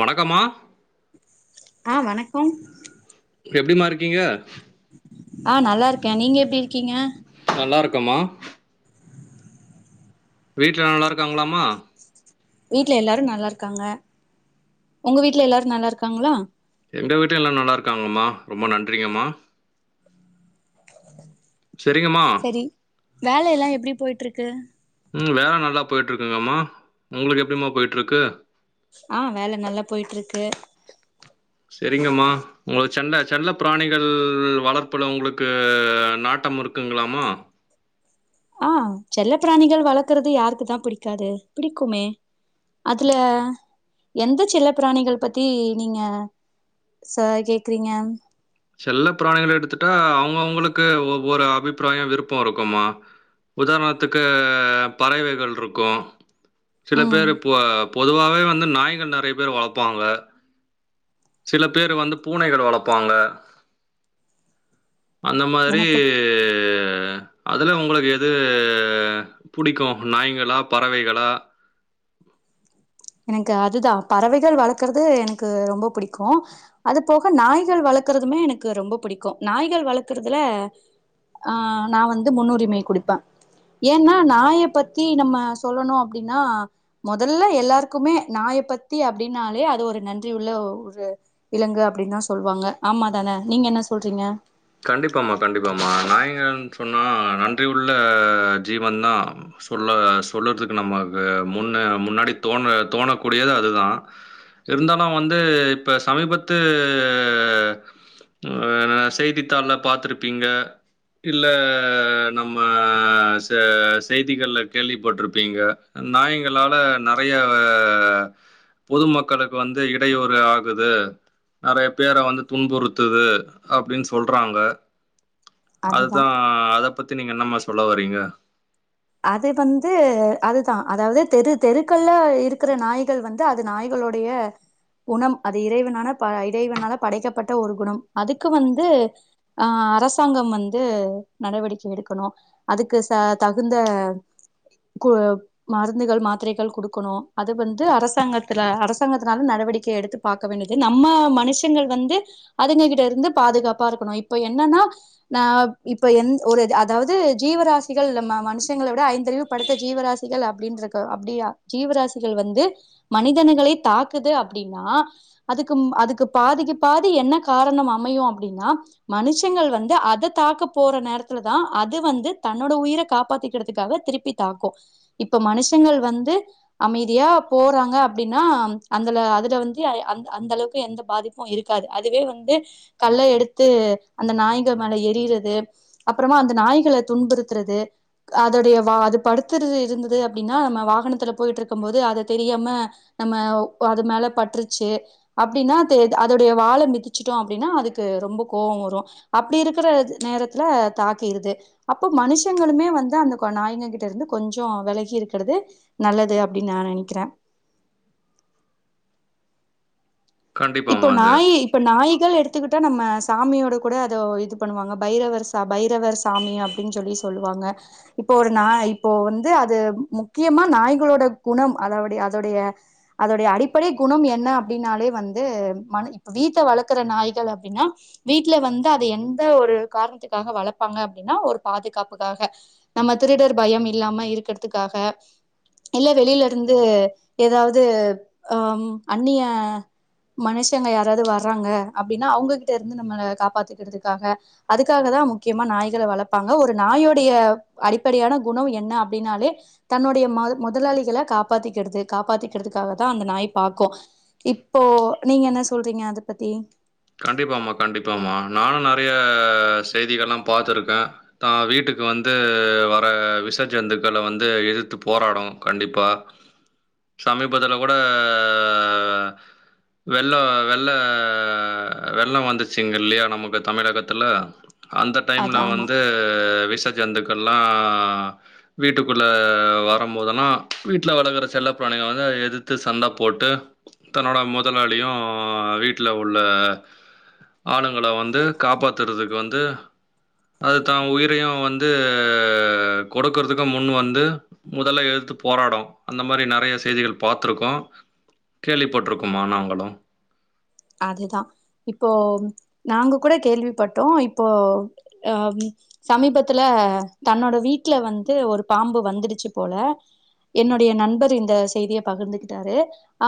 வணக்கம்மா ஆஹ் வணக்கம் எப்பிடிம்மா இருக்கீங்க ஆஹ் நல்லா இருக்கேன் நீங்க எப்பிடி இருக்கீங்க நல்லா இருக்கேம்மா வீட்டுல எல்லா நல்லா இருக்காங்களாம்மா வீட்ல எல்லாரும் நல்லா இருக்காங்க உங்க வீட்ல எல்லாரும் நல்லா இருக்காங்களா எங்க வீட்லயும் எல்லாம் நல்லா இருக்காங்கம்மா ரொம்ப நன்றிங்கம்மா சரிங்கம்மா சரி வேல எல்லாம் எப்பிடி போயிட்டு இருக்கு ம் வேல நல்லா போயிட்டுருக்குங்கம்மா உங்குளுக்கு எப்டிம்மா போயிட்ருக்கு ஆ வேல நல்லா போய்ட்ருக்கு செரிங்கம்மா உங்க செண்ட செல்லப் பிராணிகள் வளர்ப்புல உங்குளுக்கு நாட்டமிருக்குங்ளாம்மா ஆ செல்லப் பிராணிகள் வளக்கிறது யாருக்குதா பிடிக்காது பிடிக்குமே அதுல எந்த செல்லப் பிராணிகள் பத்தி நீங்க ச கேக்குறீங்க செல்லப் பிராணிகள எடுத்துட்டா அவுங்கவுங்களுக்கு ஒவ்வொரு அபிப்ராயோ விருப்போ இருக்கும்மா உதாரணத்துக்கு பறவைகள்ருக்கு. சில ம் பேரு பொ பொதுவாவே வ ந்து நாய்கள் நறைய பேரு வளப்பாங்க சில பேரு வந்து பூனைகள் வளப்பாங்க அந்த மாதிரி எனக்கு அதுல உங்குளுக்கு எது புடிக்கு நாய்ங்களா பறவைகளா எனக்கு அதுதா பறவைகள் வளக்கறது எனக்கு ரொம்ப பிடிக்கு அது போக நாய்கள் வளக்கறதுமே எனக்கு ரொம்ப பிடிக்கு நாய்கள் வளக்கறதுல ஆ நா வந்து முன்னுரிமை குடுப்பே ஏன்னா நாய பத்தி நம்ம சொல்லணு அப்டின்னா மொதல்ல எல்லாரு க்குமே நாயப் பத்தி அப்டின்னாலே அது ஒரு நன்றி உள்ள ஒ ஒரு விலங்கு அப்டின் தா சொல்வாங்க ஆமா தான நீங்க என்ன சொல்றீங்க கண்டிப்பாம்மா, கண்டிப்பாம்மா. நாய்ங்கள்ன்னு சொன்னா நன்றி உள்ள ஜீவன் தா சொல்ல சொல்லறதுக்கு நமக்கு முன்ன முன்னாடி தோண தோணக்கூடியது அதுதா இருந்தாலு வந்து இப்ப சமீபத்து அ எனா செய்தி த்தாள்ல பாத்துருப்பீங்க இல்ல நம்ம செ செய்திகள்ல கேள்விப்பட்ருப்பீங்க நாயங்களால நறையவ பொதுமக்களுக்கு வந்து இடையூறு ஆகுது நறைய பேர வந்து துன்புறுத்துது அப்டின் ஸ் தொல்றாங்க அதுதா அத்தா அதப் பத்தி நீங்க என்னம்மா சொல்ல வரீங்க அது வந்து அதுதா அதாவது தெரு தெருக்கள்ல இருக்கற நாய்கள் வந்து அது நாய்களுடைய குணம் அது இறைவனான ப இறைவனால படைக்கப்பட்ட ஒரு குணம் அதுக்கு வந்து அ அரசாங்கம் வந்து நடவடிக்கை எடுக்கணு அதுக்கு ச த இந்த மருந்துகள் மாத்திரைகள் கொடுக்கணும் அது வந்து அரசாங்கத்துல அரசாங்கத்தினால நடவடிக்கை எடுத்து பார்க்க வேண்டியது நம்ம மனுஷங்கள் வந்து அதுங்ககிட்ட இருந்து பாதுகாப்பா இருக்கணும் இப்ப என்னன்னா அ இப்ப ஒரு அதாவது ஜீவராசிகள் நம்ம மனுஷங்க விட ஐந்தறிவு படுத்த ஜீவராசிகள் அப்படின்ற அப்படியா ஜீவராசிகள் வந்து மனிதன்களை தாக்குது அப்டின்னா அதுக்கு அதுக்கு பாதிக்கு பாதி என்ன காரணம் அமையும் அப்டின்னா மனுஷங்கள் வந்து அதை தாக்க போற நேரத்துல தான் அது வந்து தன்னோட உயிரை காப் கபாத்திக்கிறதுக்காக திருப்பி தாக்கும் இப்ப மனுஷங்கள் வந்து அமைதியா போறாங்க அப்படின்னா அந்தல அதுல வந்து அ அந்த அளவுக்கு எந்த பாதிப்பும் இருக்காது அதுவே வந்து கல்ல எடுத்து அந்த நாய்கள் மேல எறியுறது அப்புறமா அந்த நாய்களை துன்புறுத்துறது அதோடைய வா அது படுத்துறது இருந்தது அப்படின்னா நம்ம வாகனத்துல போயிட்டு இருக்கும் போது அதை தெரியாம நம்ம அது மேல பட்டுருச்சு அப்படின்னா அதோடைய வாழை மிதிச்சிட்டோம் அப்படின்னா அதுக்கு ரொம்ப கோபம் வரும் அப்படி இருக்கிற நேரத்துல தாக்கிடுது அப்ப மனுஷங்களுமே வந் அந்த நாய்க கிட்ட இருந்து கொஞ்சம் விலகி இருக்கிறது நல்லது அப்படின்னு நான் நெனைக்கறா இப்போ கண்டிப்பாம்மா அது. நாய் இப்ப நாய் மக்கள் எடுத்துக்கிட்டா நம்ம சாமியோட கூட அதோ இது பண்ணுவாங்க பைரவர் ச பைரவர் சாமி அப்படின்னு சொல்லி சொல்லுவாங்க இப்போ ஒரு நா இப்போ வந்து அது முக்கியமா நாய்களோட குணம் அதட அதோடைய அதோடைய அடிப்படை குணம் என்ன அப்படின்னாலே வந்து வந்து மன்னு இப்ப வீட்டை வளர்க்குற நாய்கள் அப்படின்னா வீட்டுல வந்து அதை எந்த ஒரு காரணத்துக்காக வளர்ப்பாங்க அப்படின்னா ஒரு பாதுகாப்புக்காக நம்ம திருடர் பயம் இல்லாம இருக்கிறதுக்காக இல்ல வெளியில இருந்து ஏதாவது அ அந்நிய மனுஷங்க யாராவது வர்றாங்க அப்படின்னா அவங்ககிட்ட இருந்து நம்மளை காப்பாத்தக்கிறதுக்காக அதுக்காக தான் முக்கியமா நாய்களை வளர்ப்பாங்க ஒரு நாயுடைய அடிப்படையான குணம் என்ன அப்படின்னாலே தன்னுடைய ம முதலாளிகளை காப்பாத்திக்கிறது காப்பாத்திக்கிறதுக்காக தான் அந்த நாய் பாக்கும் இப்போ நீங்க என்ன சொல்றீங்க அத பத்தி கண்டிப்பாமா கண்டிப்பாம்மா நானும் நிறைய செய்திகள்ல்லா பார்த்தருக்கேன் தா வீட்டுக்கு வந்து வர விச ஜந்துக்களை வந்து எதுத்து போராடும் கண்டிப்பா சமீபத்துல கூட வெள்ள வெள்ள வெள்ளம் வந்துச்சிங்க இல்லையா நமக்கு தமிழகத்துல அந்த அது டைம்ல ஆமா வந்து விஸ் ட்ட ஜந்துக்கள்லா வீட்டுக்குள்ள வரம் போதல்லா வீட்ல வளக்கற செல்லப்பிராணிகள் வந்து எதித்து சண்ட போட்டு தன்னோட மொதலாளியு வீட்ல உள்ள ஆளுங்கல வந்து காப்பாத்தறதுக்கு வந்து அதுத்தா உயிரையு வந்து கொடுக்கறதுக்கு முன் வந்து முதல்ல எதுத்து போராடு அந்த மாரி நறைய செய்திகள் பாத்துருக்கோ கேள்விப்பட்ருக்கும்மா நாங்களு அதுதா இப்போ நாங்க கூட கேள்விப்பட்டோ இப்போ அ ம் சமீபத்துல தன்னோட வீட்ல வந்து ஒரு பாம்பு வந்துடுச்சு போல என்னுடைய நண்பர் இந்த செய்திய பகிர்ந்துகிட்டாரு ஆ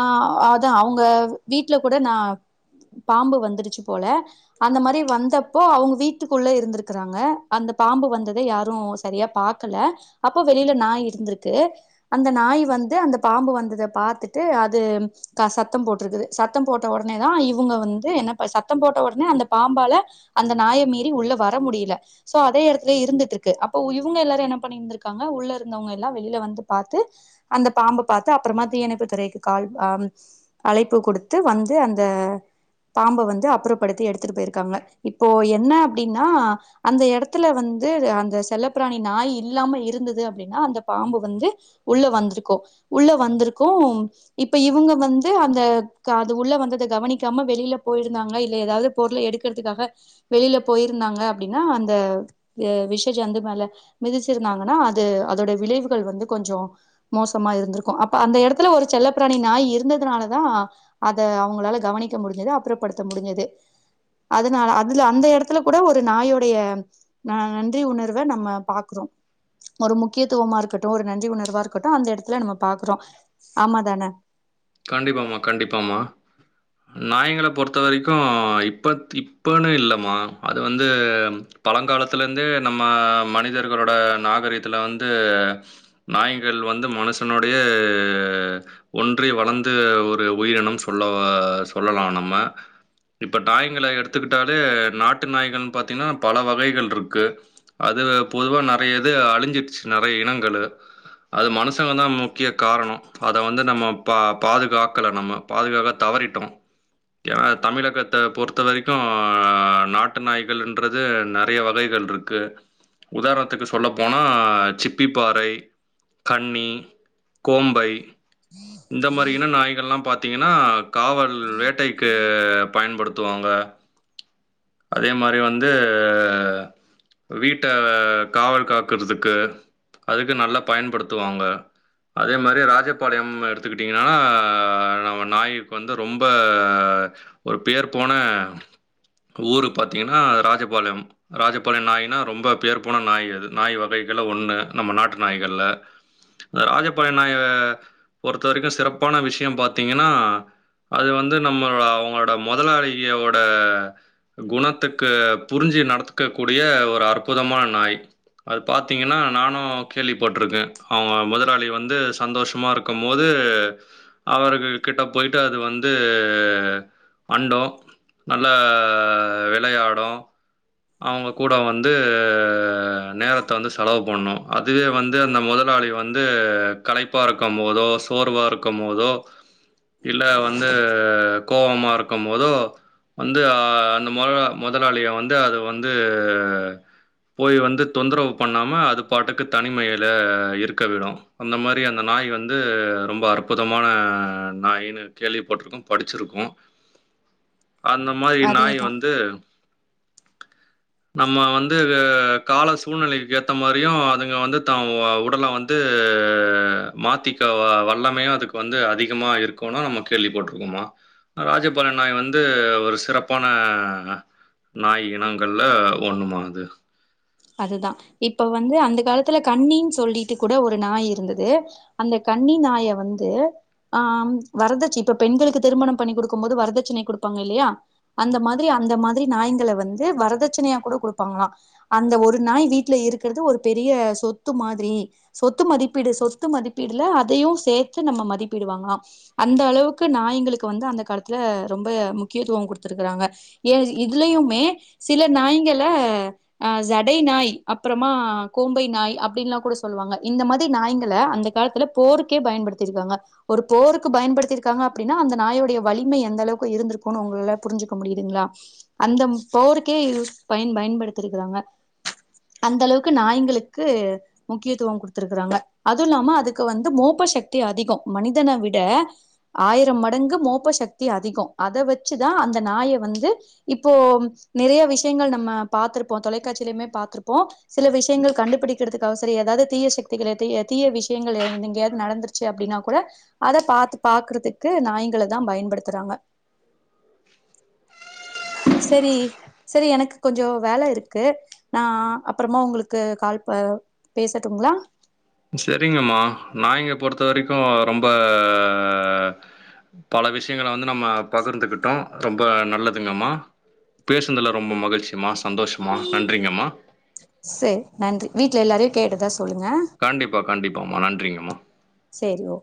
அதா அவுங்க வீட்ல கூட நா பாம்பு வந்துருச்சு போல அந்த மாரி வந்தப்போ அவுங்க வீட்டுக்குள்ள இருந்திருக்கறாங்க அந்த பாம்பு வந்தத யாரு சரியா பாக்கல அப்போ வெளியில நாய் இருந்திருக்கு அந்த நாய் வந்து அந்த பாம்பு வந்தத பாத்துட்டு அது க சத்தம் போட்ருக்குது சத்தம் போட்ட ஒட னேதா இவுங்க வந்து என்ன ப சத்தம் போட்ட ஒடனே அந்த பாம்பால அந்த நாய மீறி உள்ள வர முடியில சோ அதே எடத்லியே இருந்துட்ருக்கு அப்ப உ இவுங்க எல்லாரு என்ன பண்ணிந்திருக்காங்க உள்ள இருந்தவங்க எல்லா வெளியில வந்து பாத்து அந்த பாம்ப பாத்து அப்பறமா தீயணைப்பு துறைக்கு கால் அம் அழைப்பு குடுத்து வந் து அந்த பாம்ப வந்து அப்புறப்படுத்தி எடுத்துட்டு போய்ருக்காங்க இப்போ என்ன அப்டின்னா அந்த எடத்துல வந்து அந்த செல்லப்பிராணி நாய் இல்லாம இருந்துது அப்டினா அந்த பாம்பு வந்து உள்ள வந்திருக்கு உள்ள வந்திருக்கும் இப்ப இவுங்க வந்து அந்த க து உள்ள வந்தத கவனிக்காம வெளியில போயிருந்தாங்க இல்ல எதாவது பொருள எடுக்கறதுக்காக வெளியில போயிருந்தாங்க அப்டினா அந்த எ விஷ ஜந்து மேல மிதிச்சிருந்தாங்கனா அது அதோட விளைவுகள் வந்து கொஞ்சோ மோசமா இருந்திருக்கு அப்ப அந்த எடத்துல ஒரு செல்லப்பிராணி நாய் இருந்ததுனாலதா அத அவுங்களால கவனிக்க முடிஞ்சுது அப்புறப்படுத்த முடிஞ்சுது அதனால அதுல அந்த எடத்துல கூட ஒரு நாயுடைய ந நன்றி உணர்வ நம்ம பாக்குறோ ஒரு முக்கியத்துவமா இருக்கட்டு ஒரு நன்றி உணர்வா இருக்கட்டு அந்த எடத்துல நம்ம பாக்குறோ ஆமா தான கண்டிபாமா கண்டிப்பாமா நாய்ங்கள பொறுத்த வரிக்கு இப்பத் இப்பனு இல்லம்மா அது வந்து பழங்காலத்துலந்தே நம்ம மனிதர்களோட நாகரிகத்துல வந்து நாய்கள் வந்து மனுஷனோடயே ஒன்றி வள ந்து ஒரு உயிரினம் சொல்லவ சொல்லலா நம்ம இப்ப டாய்ங்கள எடுத்துக்கிட்டாலே நாட்டு நாய்கள்ன் பாத்தீங்னா பல வகைகள்ருக்கு அதுல பொதுவா நறைய இது அழிஞ்சிட்ச்சு நறைய இனங்களு அது மனுஷங்க தா முக்கிய காரணோ அத வந்து நம்ம பா பாதுகாக்கல நம்ம பாதுகாக்க தவறிட்டம் ஏனா தமிழகத்த பொறுத்த வரிக்கு நாட்டு நாய்கள்ன்றது நறைய வகைகள்ருக்கு உதாரத்துக்கு சொல்லப்போனா சிப்பிப்பாறை கன்னி கோம்பை ன் ந்த மாரி இன நாய்கள்ல்லாம் பாத்தீங்கனா காவல் வேட்டைக்கு பயன்படுத்துவாங்க அதே மாரி வந்து வீட்ட வ காவல் காக்குறதுக்கு அதுக்கு நல்லா பயன்படுத்துவாங்க அதே மாரி ராஜபாளையம் எடு த்துக்கிட்டீங்கனா நம்ம நாய்க்கு வந்து ரொம்ப ஒரு பேர்போன ஊரு பாத்தீங்கனா ராஜபாளையம் ராஜபாளைய நாய்னா ரொம்ப பேர் போன நாய் அது நாய் வகைகள்ல ஒண்ணு நம்ம நாட்டு நாய்கள்ல இந்த ராஜபாளைய நாய பொறுத்த வரிக்கு சிறப்பான விஷ்யம் பாத்தீங்கனா அது வந்து நம்மளோட அவுங்களோட மொதலாளியோட குணத்துக்கு புரிஞ்சு நடத்துக்கக் கூடிய ஒரு அற்புதமான நாய் அது பாத்தீங்கன்னா நானு கேள்விப்பட்ருக்கே அவுங்க முதலாளி வந்து சந்தோஷமாரு க்கும்மோது அவர்கள் கிட்ட போய்ட்டு அது வந்து அண்டு நல்லா விளையாடு அவுங்க கூட வந்து நேரத்த வந்து செலவு பண்ணு அதுவே வந்து அந்த முதலாளி வந்து களைப்பாருக் க்கம்மோதோ சோர்வாருக்கும் மோதோ இல்ல வந்து கோவமா இருக்கம் மோதோ வந்து அ அந்த மொரலா மொதலாளிய வந்து அது வந்து போய் வந்து தொந்தரவு பண்ணாம அது பாட்டுக்கு தனிமையில இருக்க விடு அந்த மாரி அந்த நாய் வ ந்து ரொம்ப அற்புதமான நாய்னு கேள்வி பட்ருக்கோ படிச்சிருக்கோ அந்த மாயி நாய் அதேதா வந்து நம்ம வந்து வெ கால சூழ்நிலைள்க் ஏத்த மாரியு அதுங்க வந்து தா வ உடல்ல வந்து மாத்தி ட்ட வ வல்லமையு அதுக்கு வந்து அதிகமா இருக்குனு நம்ம கேள்வி பட்ருக்கோமா அ ராஜபாள்ய நாய் வந்து ஒரு சிறப்பான நாய் இனங்கள்ல ஒண்ணுமா அது அதுதா இப்ப வந்து அந்த காலத்துல கன்னின் சொல்லிட்டு கூட ஒரு நாய் இருந்தது அந்த கன்னி நாய வந்து ஆம் வரதட்சி இப்ப பெண்களுக்கு திருமணம் பண்ணி குடுக்கம் போது வரதட்சணை குடுப்பாங்க இல்லையா அந்த மாதிரி அந்த மாதிரி நாய்ங்கள வந்து வரதட்சணையா கூட குடுப்பாங்களா அந்த ஒரு நாய் வீட்ல இருக்கறது ஒரு பெரிய சொத்து மாதிரி சொத்து மதிப்பீடு சொத்து மதிப்பீடுல அதையு சேத்து நம்ம மதிப்பீடுவாங்களா அந்த அளவுக்கு நாய்ங்களுக்கு வந்து அந்த காலத்துல ரொம்ப முக்கியத்துவம் குடுத்துருக்கறாங்க ஏ இதுலயுமே சில நாய்ங்கள அ ஜடை நாய் அப்பறமா கோம்பை நாய் அப்டின்லா கூட சொல்வாங்க இந்த மாதி நாய்ங்கள அந்த காலத்துல போருக்கே பயன்படுத்திருக்காங்க ஒரு போருக்கு பயன்படுத்திருக்காங்க அப்டின்னா அந்த நாயுடைய வலிமை எந்த அளவுக்கு இருந்துருக்குனு உங்கள்ல புரிஞ்சுக்க முடிதுங்ளா அந்தம் போருக்கே யூஸ் பயன் பயன்படுத் படுத்திருக்காங்க அந்த அளவுக்கு நாய்ங்களுக்கு முக்கியத்துவம் கொடுத்திருக்காங்க அது இல்லாம அதுக்கு வந்து மோப்ப சக்தி அதிகம் மனிதனை விட ஆயிரம் மடங்கு மோப்ப சக்தி அதிகம் அத வச்சுதான் அந்த நாயை வந்து இப்போ நிறைய விஷயங்கள் நம்ம பாத்திருப்போம் தொலைக்காட்சிலேயுமே பா்த்திருப்போம் சில விஷயங்கள் கண்டுபிடிக்கிறதுக்காக சரி ஏதாவது தீய சக்திகளை தீய விஷயங்கள் எங்காயவுது நடந்துருச்சு அப்படின்னா கூட அத பா பாக்குறதுக்கு நாய்ங்களை தான் பயன்படுத்துறாங்க சரி சரி எனக்கு கொஞ்சம் வேலை இருக்கு நான் அப்புறமா உங்களுக்கு கால் ப பேசட்டும்ங்களா சரிங்கம்மா நாய்ங்க பொறுத்த வரைக்கும் ரொம்ப பல விஷயங்களா வந்து நம்ம பகிர்ந்துகிட்டோம் ரொம்ப நல்லதுங்கம்மா பேசுன்துல ரொம்ப மகிழ்ச்சிமா சரி நன்றி வீட்ல எல்லாரையும் கேட்டதா சொல்லுங்க கண்டிப்பா கண்டிப்பாமா நன்றிங்கம்மா சரி ஓ